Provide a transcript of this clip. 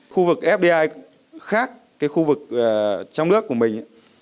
khu vực fdi khác cái khu vực trong nước của mình